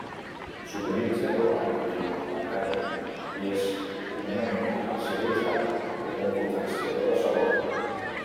S'utilitza com a additiu alimentari i és comunament comercialitzat com un potenciador de sabor.